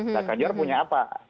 nah ganjar punya apa